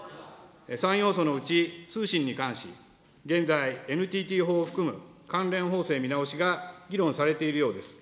３要素のうち通信に関し、現在、ＮＴＴ法を含む関連法制見直しが議論されているようです。